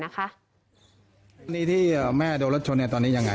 นะคะทีนี้ที่อ่าแม่เดารถโชนเนี้ยตอนนี้ยังไงอ่ะ